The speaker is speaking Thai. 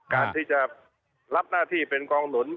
การที่จะรับหน้าที่เป็นกองหนุน